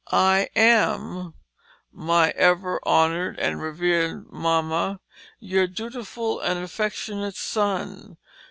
"I am my ever honoured and revered Mamma your Dutiful & Affectionate Son.